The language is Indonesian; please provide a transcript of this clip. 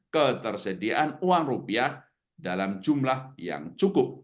ketersediaan uang rupiah dalam jumlah yang cukup